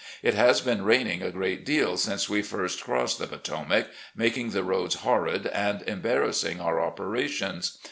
It has been raining a great deal since we first crossed the Potomac, making the roads horrid and embarrassing our operations.